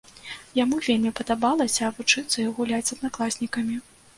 Яму вельмі падабалася вучыцца і гуляць з аднакласнікамі.